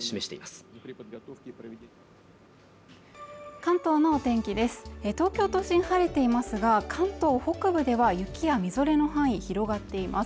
関東のお天気ですが東京都心晴れていますが関東北部では雪やみぞれの範囲広がっています